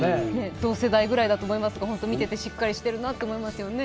同世代くらいだと思いますが本当に見ていてしっかりしてるなと思いますよね。